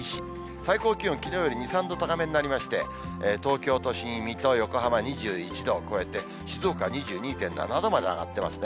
最高気温、きのうより２、３度高めになりまして、東京都心、水戸、横浜、２１度を超えて、静岡２２．７度まで上がってますね。